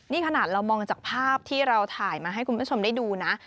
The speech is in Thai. นี่ขนาดเรามองจากภาพที่เราถ่ายมาให้คุณผู้ชมได้ดูนะ